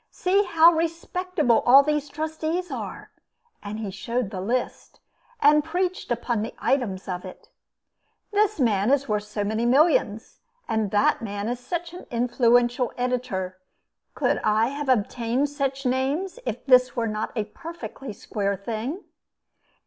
See how respectable all these Trustees are!" And he showed the list and preached upon the items of it. "This man is worth so many millions, that man is such an influential editor. Could I have obtained such names if this were not a perfectly square thing?"